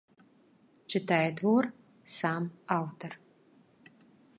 Чытае твор сам аўтар.